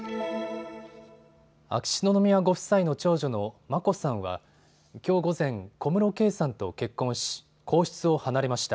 秋篠宮ご夫妻の長女の眞子さんはきょう午前、小室圭さんと結婚し皇室を離れました。